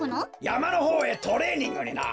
やまのほうへトレーニングにな。